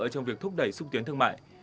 trong việc thúc đẩy xúc tiến thương mại